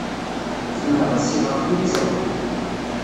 Zemreɣ ad ssiɣeɣ tiliẓri?